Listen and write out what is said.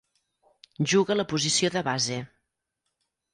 Juga la posició de base.